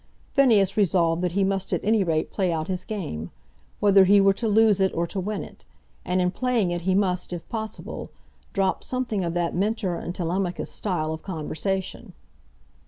Phineas resolved that he must at any rate play out his game, whether he were to lose it or to win it; and in playing it he must, if possible, drop something of that Mentor and Telemachus style of conversation.